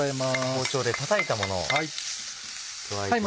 包丁でたたいたものを加えていきます。